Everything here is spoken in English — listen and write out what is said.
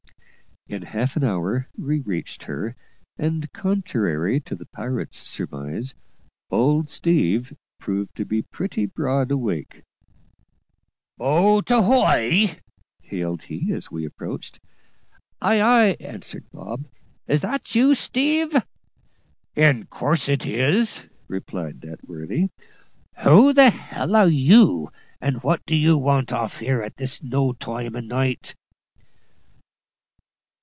In half an hour we reached her, and, contrary to the pirate's surmise, "old Steve" proved to be pretty broad awake. "Boat ahoy!" hailed he, as we approached. "Ay, ay!" answered Bob. "Is that you, Steve?" "In course it is," replied that worthy. "Who the h l are you, and what do you want off here at this no time o' night?"